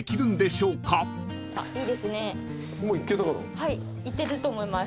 はいいってると思います。